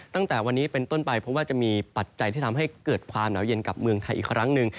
ตั้งแต่วันนี้เป็นต้นไปเพราะว่าจะมีปัจจัยที่ทำให้เกิดความหนาวเย็นกับเมืองไทยอีกครั้งหนึ่ง